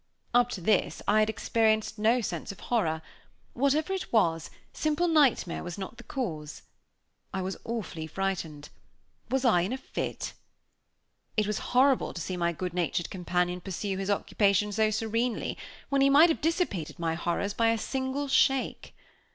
Up to this I had experienced no sense of horror. Whatever it was, simple night mare was not the cause. I was awfully frightened! Was I in a fit? It was horrible to see my good natured companion pursue his occupation so serenely, when he might have dissipated my horrors by a single shake.